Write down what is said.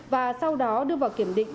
và sau đó đưa vào kiểm định